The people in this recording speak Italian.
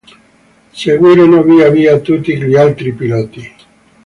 Seguirono via via tutti gli altri piloti.